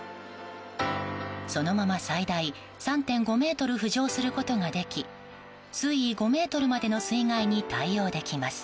そのまま最大３．５ｍ浮上することができ水位５ｍまでの水害に対応できます。